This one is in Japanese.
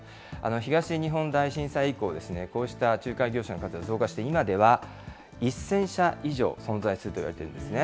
東日本大震災以降、こうした仲介業者の数が増加して、今では１０００社以上存在するといわれているんですね。